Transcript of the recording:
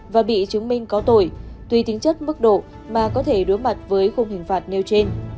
và bị chứng minh có tội tùy tính chất mức độ mà có thể đối mặt với khung hình phạt nêu trên